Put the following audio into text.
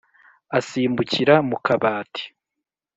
asimbukira mu kabati.